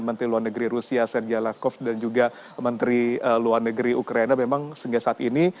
menteri luar negeri rusia serja lavkov dan juga menteri luar negeri ukraina memang sehingga saat ini